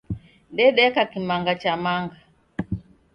Dadeka kimanga cha manga.